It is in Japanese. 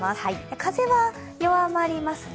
風は弱まりますね。